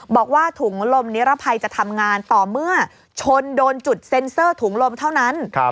บอกว่าถุงลมนิรภัยจะทำงานต่อเมื่อชนโดนจุดเซ็นเซอร์ถุงลมเท่านั้น